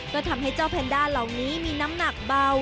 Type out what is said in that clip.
ก็ทำให้เจ้าแพนด้าเหล่านี้มีน้ำหนักเบา